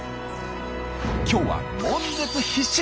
今日は悶絶必至！